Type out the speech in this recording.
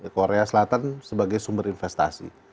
korea selatan sebagai sumber investasi